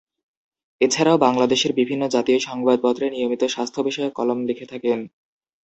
এছাড়াও বাংলাদেশের বিভিন্ন জাতীয় সংবাদপত্রে নিয়মিত স্বাস্থ্য বিষয়ক কলাম লিখে থাকেন।